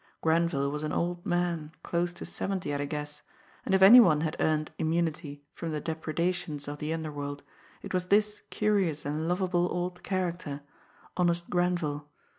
Grenville was an old man, close to seventy, at a guess; and if any one had earned immunity from the depredations of the underworld it was this curious and lovable old character honest Grenville.